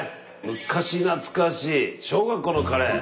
昔懐かしい小学校のカレー。